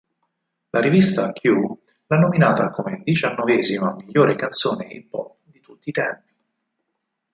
La rivista "Q" l'ha nominata come diciannovesima migliore canzone hip-hop di tutti i tempi.